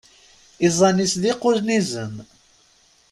Iẓẓan-is d iqunnizen.